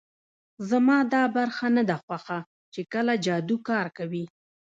زما دا برخه نه ده خوښه چې کله جادو کار کوي